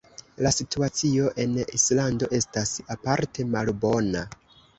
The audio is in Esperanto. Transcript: La situacio en Islando estas aparte malbona.